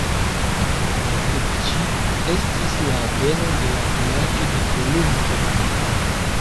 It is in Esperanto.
Apud ĝi estis la haveno de la vojaĝo de Kolumbo.